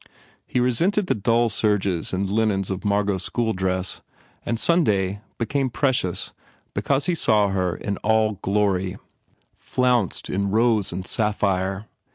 He resented the dull serges and linens of Margot s school dress and Sunday be came precious because he saw her in all glory, flounced in rose and sapphire.